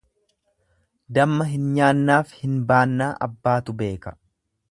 Damma hin nyaannaaf hin baannaa abbaatu beeka.